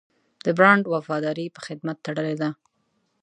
د برانډ وفاداري په خدمت تړلې ده.